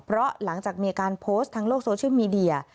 เพราะหลังจากมีการโพสต์ทางโลกโซเชียลมีเดีย